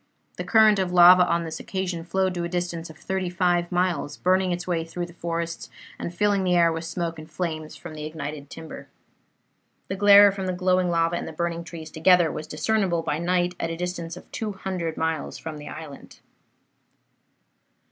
The current of lava on this occasion flowed to a distance of thirty five miles, burning its way through the forests, and filling the air with smoke and flames from the ignited timber. The glare from the glowing lava and the burning trees together was discernible by night at a distance of 200 miles from the island.